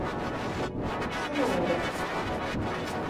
Šņūre.